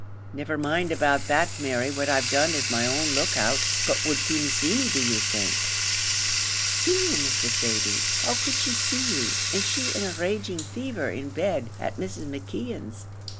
"Never mind about that, Mary; what I've done is my own look out. But would Feemy see me, do you think?" "See you, Mr. Thady! How could she see you, an' she in a raging fever in bed at Mrs. McKeon's?